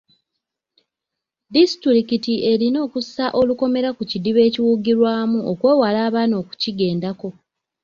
Disitulikiti erina okussa olukomera ku kidiba ekiwugirwamu okwewala abaana okukigendako.